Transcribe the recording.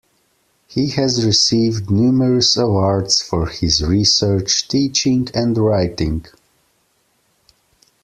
He has received numerous awards for his research, teaching, and writing.